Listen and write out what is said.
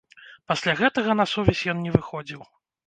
Пасля гэтага на сувязь ён не выходзіў.